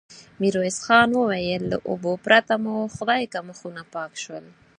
ميرويس خان وويل: له اوبو پرته مو خدايکه مخونه پاک شول.